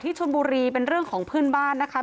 ชนบุรีเป็นเรื่องของเพื่อนบ้านนะคะ